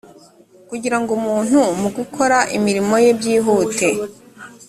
kugira ngo umuntu mu gukora imirimo ye byihute